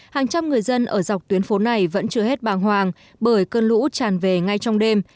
hàng trăm người dân ở dọc tuyến phố này vẫn chưa hết bàng hoàng bởi cơn lũ tràn về ngay trong đêm